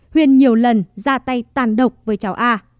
huyên nhiều lần ra tay tàn độc với cháu a